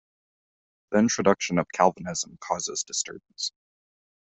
The introduction of Calvinism causes disturbance.